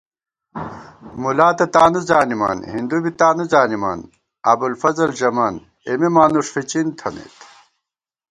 مُلا تہ تانُو زانِمان ہِندُو بی تانُو زانِمان ابُوالفضل ژَمان اېمےمانُݭفِچِن تھنَئیت